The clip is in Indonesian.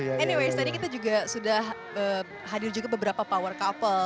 anyways tadi kita juga sudah hadir juga beberapa power couple